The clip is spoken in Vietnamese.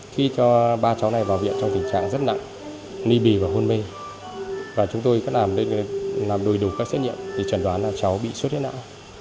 khi cho ba cháu này vào viện trong tình trạng rất nặng ly bì và hôn mê và chúng tôi có làm đôi đủ các xét nghiệm để chẳng đoán là cháu bị suất huyết não